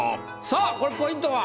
さあこれポイントは？